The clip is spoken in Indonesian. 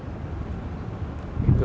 jadi kita juga mengoperasikan kapal perintis